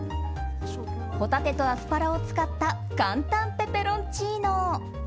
ホタテとアスパラを使った簡単ペペロンチーノ。